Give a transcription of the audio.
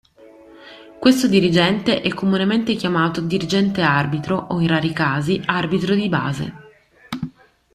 Questo dirigente è comunemente chiamato "Dirigente arbitro" o in rari casi "arbitro di base".